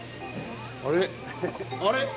あれ？